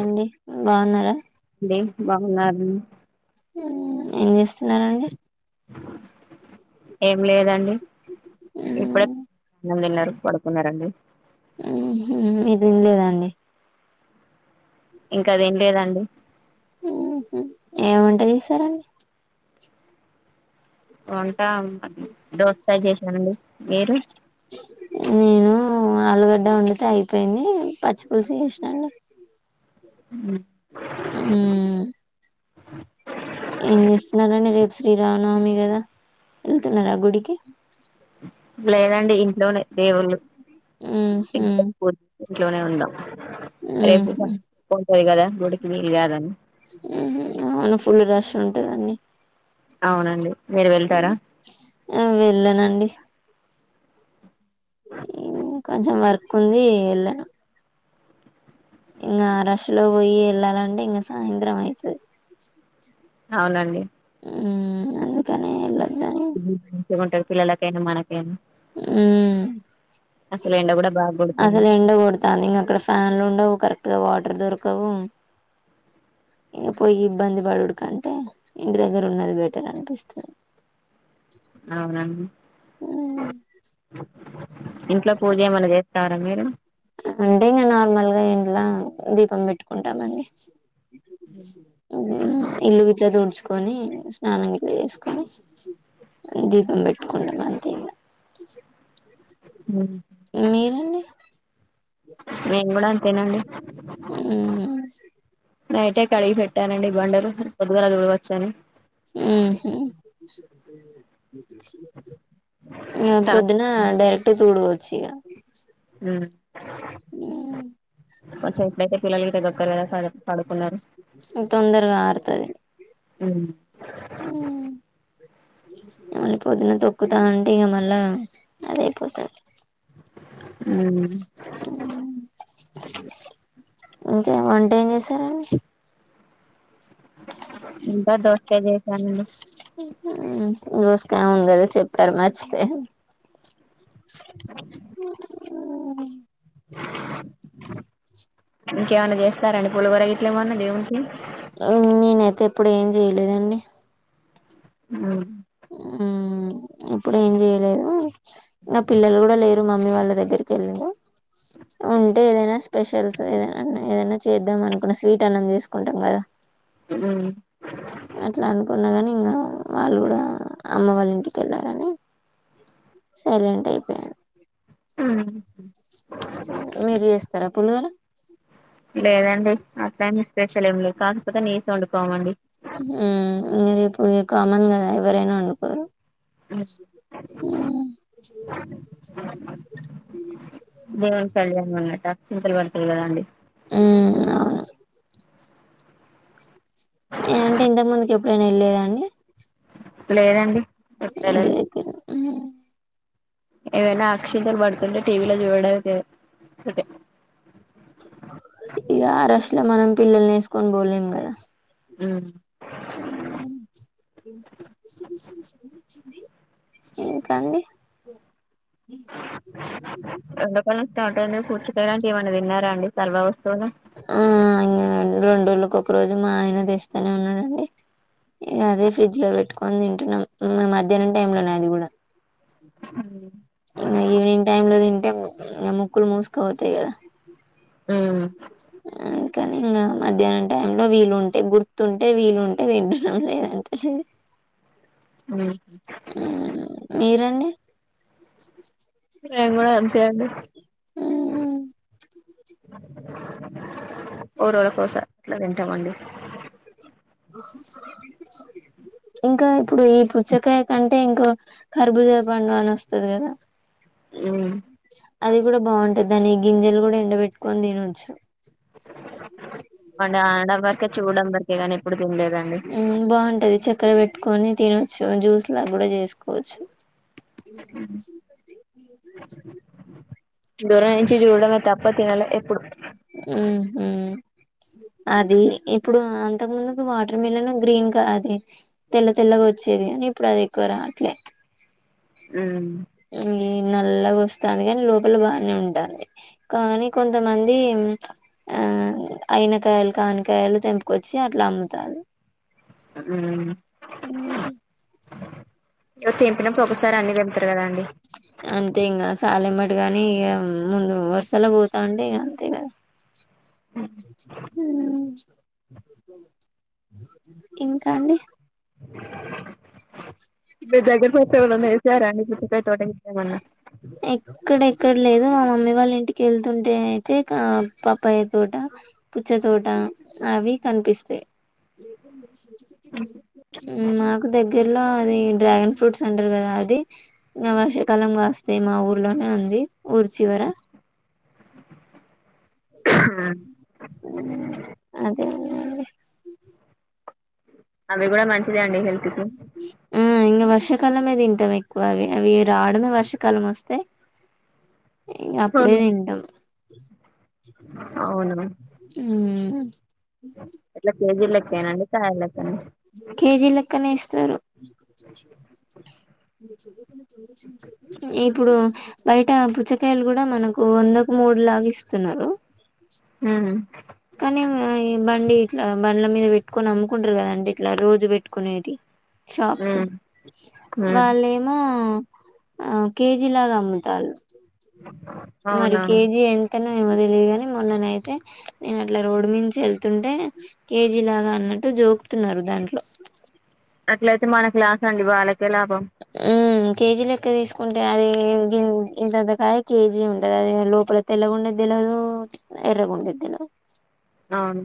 అండి బాగున్నారా బాగున్నారు మ్ ఏం చేస్తున్నారండి ఎం లేదండి ఇప్పుడే అన్నం తిన్నారు పడకున్నారండి మ్ హుమ్మ్ ఇదిం లేదండి ఇంక అదేం లేదండి ఏముంట చేసారంండి అవును దోస్కాయ చేషినామండి మీరు నేను ఆలుగడ్డ వండితే అయిపోయింది పచ్చిపులుసు చేషినాఅండి మ్ ఏం చేస్తున్నారండి రేపు శ్రీరామనవమి గదా వెళ్తున్నార ఆ గుడికి లేదండి ఇం లోనే దేవుళ్ళు పూ [unintelligible] ఇంట్లోనే ఉందాం రేపు మొక్కు ఉంటది కదా గుడికి వెళ్లాలని ఉంటదన్ని అవునండి మీరు వెళ్తారా ఆ వెళ్ళనండి మ్.. కొంచెం వర్క్ ఉంది ఎళ్ళను ఇంగ అరష్లో పోయయ్యీ వెళ్ళాలంటే ఇంగ సాయంత్రం అయితది అవునండి మ్మ్ అన్ ఇకానే ఎలాద్దని పిల్లానా కైన మనక్ మ్మ్ అసలు ఎండ కూడా బాగా కొడుతుంది అసలు ఎండ కొడతాంది ఇంకా అక్కడ ఫ్యాన్లు ఉండవు కరెక్ట్ గా వా ఎ దొరకవు ఇంక పోయి ఇబ్బంది పడుడు కంటే ఇంటి దగ్గర ఉన్నది బెటర్ అనిపిస్తుంది అవునండి మ్మ్ ఇంట్లో పూజ ఏమనా చేస్తారా మీరు అంటే ఇంక నార్మల్ గా ఇంట్లా దీపం పెట్టుకుంటామండి ఇల్లు విట్టది ఉడ్స్కో కొని స్నానం చేసుకొని దీపం పెట్టుకుంటాం అంతే ఇంగ మీరండి మేము కూడా అంతేనండి మ్మ్ నైటే కడిగి ఫెట్ వుంటానండి బండరు [inaudible] సడి అంటే ఆ తల పొద్దున డైరెక్ట్ చూడుకోవచ్చు చ్చగా మ్మ్ ఎట్లయితే పిల్లల ఇతే దగక్కరదడ పడుకున్నారు తొందరగా మ్మ్ మ్మ్ మళీ పొద్దున తొక్కుతా అంటే ఇక మళ్ళా అద అయిపోతది అవు ఇంకే వంటే ఏం చేస్ తమన్స్ ఇంకా దోస్తే చేశానండి మ్మ్ దోస్క కదా చెప్పారు మర్చిపోయిన మ్మ్ ఇంకేమైనా చేస్తారండి పులిహోర గిట్ల ఏమన్నా దేవునికి ఇ నేనైతే ఇప్పుడు ఏం చేయలేదండి ఉమ్ ఉమ్ ఇప్పుడు ఏం చేయలేదు ఇంగ పిల్లలు కూడా లేరు మమ్మీ వాళ్ళ దగ్గరికి వెళ్ళ ఉంటే ఏదైనా స్పెషల్స్ ఏద ఏదైనా చేద్దాం అనుకున్న స్వీట్ అన్నం చేసుకుంటాం కదా ఉమ్ అట్లా అనుకున్నా కానీ ఇంకా వాళ్ళు కూడా అమ్మ వాళ్ళ ఇంటికి వెళ్లారని సైలెంట్ అయిపోయా ఉమ్ మీరు చేస్తారా పులగలు లేదండి అట్లా ఏమీ స్పెషల్ ఏం లేదు కాకపోతే నీసు వండుకోమండి ఉమ్ ఇంకా ఇప్పుడు చెప్పు కామన్ గా ఎవరైనా వండుకోరు హ్మ్ దేవుడి కళ్యాణ మనమాట అక్షింతలు పడతాయి కదా అండి హ్మ్ అవును ఏమంటే ఇంత ముందుకి ఎప్పుడైనా వెళ్ళలేదాండి లేదండి ఎప్పుడు ఇంటి వెళ్ళలే దగ్గర ఏవైనా అక్షింతలు పడుతుంటే టీవీలో చూడడమె తెలుసు అం ఇక ఆ రష్ లో మనం పిల్లల్ని ఏసుకొని పోలేం కదా ఉమ్ ఇంకా అండి ఎండాకాలం స్టార్ట్ అయింది పుచ్చకాయ లాంటివి ఏవన్నా తిన్నారా అండి సలవా వస్తువులు ఆ... ఇంక రెండు రోజులకు ఒక రోజు మా ఆయన తెస్తునే ఉన్నాడండి ఇక అదే ఫ్రిడ్జ్ లో పెట్టుకొని తింటున్నాం మధ్యాహ్నం టైం లోనే అది కూడా ఉమ్ ఇంకా ఈవెనింగ్ టైమ్ లో తింటే ముక్ ముక్కులు మూసుకపోతయి కదా ఉమ్... అందుకని ఇంకా మధ్యాహ్నం టైం లో వీలుంటె గుర్తుంటే వీలుంటె తింటున్నాం లేదంటె లేదు ఉహూ అండి రేపు కూడా అంతే అండి మ్మ్. ఓ రోజుకొకసారి అట్ల తింటామండీ ఇంకా ఇప్పుడు ఈ పుచ్చకాయ కంటే ఇంకో కరుబుజ పండు అని వస్తది కదా ఉమ్ అది కూడా బావుంటది దాని గింజలు కూడా ఎండబెట్టుకొని తినొచ్చు వండ ఆడవరకి చూడంబరి తె గానీ ఎప్పుడు తినలేదండి ఉమ్ బావుంటది చక్కెర పెట్టుకొని తిను సొగం జ్యూస్ లా గూడ చేసుకోవచ్చు [unintelligible] దూరం నుంచి చూడడమే తప్ప తినలే ఎప్పుడు ఉమ్ ఉమ్ అది ఇప్పుడు అంతకు ముందుకు వాటర్ మిలన్ గ్రీన్ క అది తెల్ల తెల్లగా వచ్చేది కానీ ఇప్పుడు అది ఎక్కువ రావట్లే హ్మ్ హ్మ్ నల్లగా వస్తాంది కానీ లోపల బానే ఉంటాంది కానీ కొంతమం దీ ఆ అయినకాయలు కానికాయలు తెంపుకొచ్చి అట్లా అమ్ముతారు హ్మ్ హ్మ్ తెంపినప్పుడు ఒకసారె అన్నీ తెంపుతారు కదా అండి అంతే ఇంగ సాలెమ్మట గాని ఇ ముందు వరసల పోతాండి అంతే కదా హ్మ్ ఇంకా అండి మీ దగ్గర [unintelligible] ఎవరన్నా ఏసారా అండి తె తోట ఏమన్నా ఎక్కడ ఎక్కడ లేదు మా మమ్మీ వాళ్ళ ఇంటికి వెళ్తుంటే అయితే పప్పాయ తోట పుచ్చ తోట అవి కనిపిస్తాయ్ హ్మ్ మాకు దగ్గర్లో అది డ్రాగన్ ఫ్రూట్స్ అంటారు కదా అది వర్షాకాలం గాస్ తే మా ఊర్లోనే ఉంది ఊరిచివరా ఉమ్, ఆ [unintelligible] అవి కూడా మంచిదే అండి హెల్త్ కి ఆ ఇంకా వర్షాకాలమే తింటాం ఎక్కువ అవి అవి రావడమే వర్షాకాలం వస్తే ఇ అప్పుడే తింటాం అవును హ్మ్ హ ఎట్లా కేజీ లెక్కేనండి కాయలెక్కనా కేజీ లెక్కనే ఇస్తారు ఇప్పుడు బయట పుచ్చకాయలు కూడా మనకు వందకు మూడులాగా ఇస్తున్నారు హ్మ్ కానీ ఈ బండి ఇట్లా బండ్ల మీద పెట్టుకొని అమ్ముకుంటారు కదండి ఇట్లా రోజు పెట్టుకునేది షాప్స్ ఉమ్ హ్మ్ వాళ్ళేమో ఆ కేజీ లాగా అమ్ముతాల్లు మరి అవునవును కేజీ ఎం అను ఏమో తెలియగాని మొన్ననయితే నేను అట్లా రోడ్ నుంచి వెళ్తుంటే కేజీలాగా అన్నట్టు జోకుతున్నారు దాంట్లో అట్లయితే మనకు లాసండి వాళ్ళకి హ్మ్ కేజీ లెక్క తీసుకుంటే అది ఇంతంతకాయ కేజీ ఉండదు అది లోపల తెల్లగుండద్దేలవదు ఎర్రగుండెద్దేలవదు అవును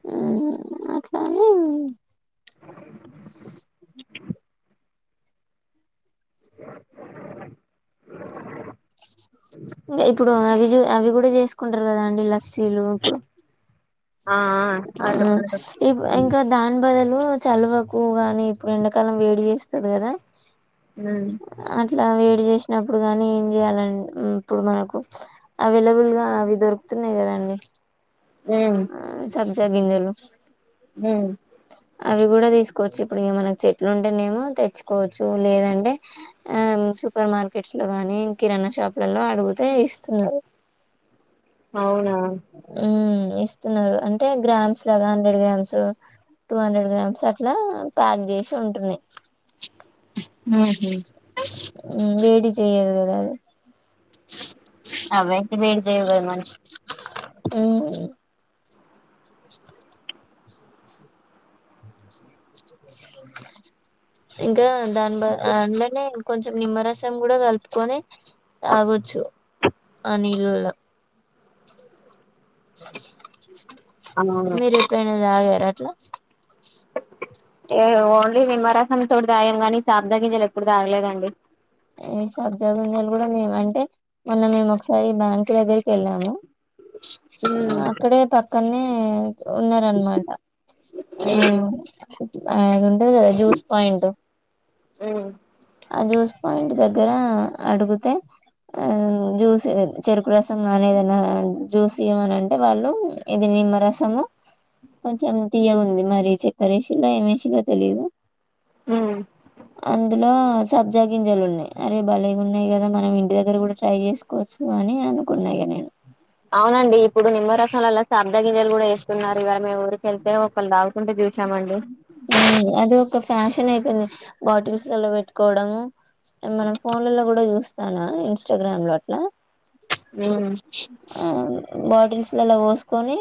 హ్మ్ [unintelligible] ఇంకా ఇప్పుడు అవి అవి కూడా చేసుకుంటారు కదా అండి లస్సీలు ఇప్పుడు ఆ ఆ అరటి పండ్లతో ఉమ్ హ్మ్ ఇంకా దాన్ బదులు చలువకు గాని ఇప్పుడు ఎండాకాలం వేడి చేస్తది కదా హ్మ్ అట్లా వేడి చేసినప్పుడు గానీ ఏం చేయాలండి ఇప్పుడు మనకు అవైలబుల్ గా అవి దొరుకుతున్నాయి కదండి వేము జా గింజలు ఉమ్ అవి కూడా తీసుకోవచ్చు ఇప్పుడు మనకి చెట్లు ఉంటేనేమో తెచ్చుకోవచ్చు లేదంటే ఆ సూపర్ మార్కెట్స్ లో గానీ కిరాణా షాపులలో అడుగుతే ఇస్తున్నారు అవునా ఉమ్ ఇస్తున్నారు అంటే గ్రామ్స్ లాగా hundred grams two hundred grams అట్లా ప్యాక్ చేసి ఉంటున్నాయి ఉహూ ఉమ్ వేడి చేయదు ఉమ్ అవే వేడి జేయవు కదా మనిషి ఉమ్, ఇ ద్దాం దాని బదు ఆ అన్న నే కొంచెం నిమ్మరసం కూడా కలుపుకొని తాగుచ్చు అనిల్లా అవును మీరు ఎప్పుడైనా తాగారా ఓన్లీ నిమ్మరసం తో తాగినం గానీ సబ్జా గింజలు ఎప్పుడు తాగలేదండి ఈ సబ్జా గింజలు కూడా మేము అంటే మొన్న మేము ఒకసారి బ్యాంక్ దగ్గరికి వెళ్ళాము హ్మ్ అక్కడే పక్కనే ఉన్నారనమాట ఆ హ్మ్ ఆ ఆ జ్యూస్ పాయింట్ హ్మ్ ఆ జ్యూస్ పాయింట్ దగ్గర అడుగుతే ఆ జ్యూస్ చెరుకు రసం కానీ ఏదైనా జ్యూస్ ఇయమనింటే వాళ్ళు ఇది నిమ్మరసము కొంచెం తీయగా ఉంది మరి చెక్కరేసిండా ఏమేసిండో తెలిదు ఉమ్ లో సబ్జాగింజాలు ఉన్నాయి అరే బలేగా ఉన్నాయి కదా మనం ఇంటి దగ్గర కూడా ట్రై చేసుకోవచ్చు అని అనుకున్నా ఇగా నేను అవునండి ఇప్పుడు నిమ్మరసం లల్లా సబ్జా గింజలు కూడా వేస్తున్నారు ఇవాళ మేము ఊరికెళ్తే ఒకళ్ళు తాగుకుంటే చూస్త ఊమ్ అదే ఒక ఫ్యాషన్ అయిపోయింది. బాటిల్స్ లలో పెట్టుకోవడము. మనం ఫోన్లలో కూడా చూస్తానా ఇన్స్టాగ్రామ్ లో అట్ల. ఉ బాటిల్స్ లలో పోసుకొని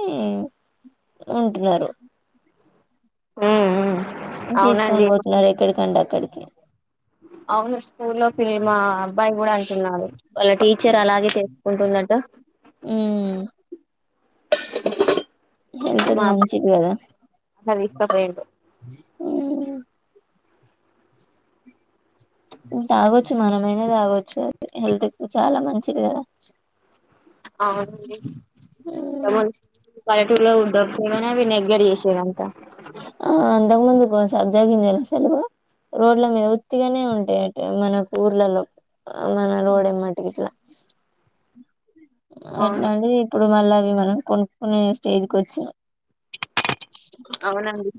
ఉంటున్నారు ఉ ఉ తీసుకొని పోతున్నారు ఎక్కడికండి అక్కడికి ఏ అవును స్కూల్లో ఫిలిమ అబ్బాయి కూడా అని ఉన్నాడు వాళ్ళ టీచర్ అలాగే చేసుకుంటున్నట్ హెల్త్కి మా అబ్బాయి మంచిది కదా అట్లా తీసుకపోయిండు ఊ తాగొచ్చు మనమైనా తాగొచ్చు. హెల్త్ చాలా మంచిది కదా. అవునండి పల్లెటూర్లలో దగ్గరనే నెగ్గర్ చేసేదంతా ఆ అంతకు ముందు సబ్జాగింజలు అసలు రోడ్ల మీద ఉత్తిగనే ఉంటాయి అట మనకు ఊర్లలో మన రోడ్ ఏమ్మట్ ఇట్లా ఎట్లా అవును అండి ఇప్పుడు మళ్ళా మనం కొనుక్కునే స్టేజ్కి వచ్చిన అవునండి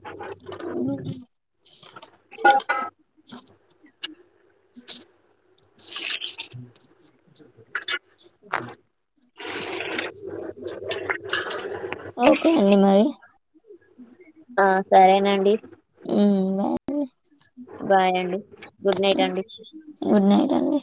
ఓకే అండి మరి ఆ సరేనండి ఉమ్ బాయ్ అండే బాయ్ అండి గుడ్ నైట్ అండి గుడ్ నైట్ అండి